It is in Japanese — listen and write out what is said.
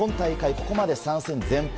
ここまで３戦全敗。